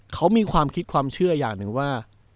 เขามีความคิดความเชื่ออย่างหนึ่งว่า